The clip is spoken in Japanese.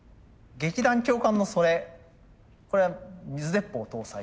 劇団教官のそれこれは水鉄砲搭載？